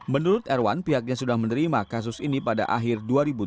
menurut erwan pihaknya sudah menerima kasus ini pada akhir dua ribu tujuh belas